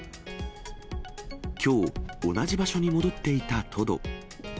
きょう、同じ場所に戻っていたトド。